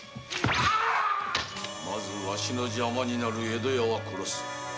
ワシの邪魔になる江戸屋は殺す。